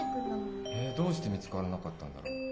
えどうして見つからなかったんだろう。